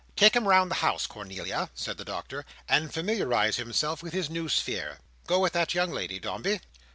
"Take him round the house, Cornelia," said the Doctor, "and familiarise him with his new sphere. Go with that young lady, Dombey."